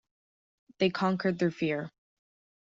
They conquered their fear.